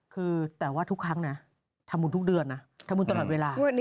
คือแต่ว่าทุกครั้งนะทำบุญทุกเดือนนะทำบุญตลอดเวลา